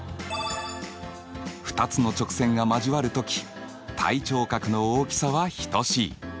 ２つの直線が交わる時対頂角の大きさは等しい。